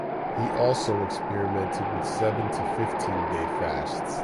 He also experimented with seven to fifteen day fasts.